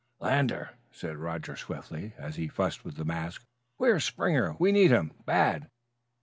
"Lander," said Roger swiftly, as he fussed with the mask, "where is Springer? We need him bad."